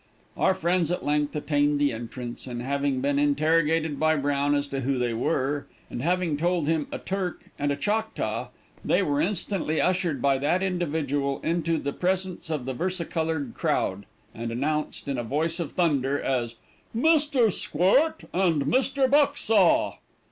Our friends at length attained the entrance, and, having been interrogated by Brown as to who they were, and having told him "a Turk" and "a Choctaw," they were instantly ushered by that individual into the presence of the versicolored crowd, and announced, in a voice of thunder, as "Mr. Squirt" and "Mr. Bucksaw."